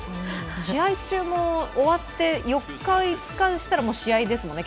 試合中も終わって４日、５日したらもう試合ですもんね。